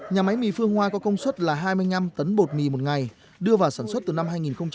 nhà máy mì phương hoa có công suất là hai mươi năm tấn bột mì một ngày đưa vào sản xuất từ năm hai nghìn một mươi bảy